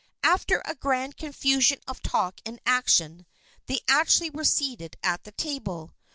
After a grand confusion of talk and action, they actually were seated at the table.